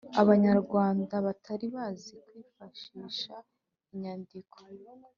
abanyarwanda batari bazi kwifashisha inyandiko